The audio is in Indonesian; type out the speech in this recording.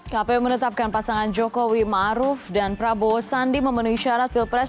kpu menetapkan pasangan jokowi maruf dan prabowo sandi memenuhi syarat pilpres dua ribu sembilan belas